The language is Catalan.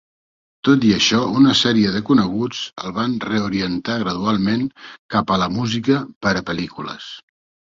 Tot i això, una sèrie de coneguts el van reorientar gradualment cap a la música per a pel·lícules.